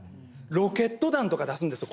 ロケット弾とか出すんですよ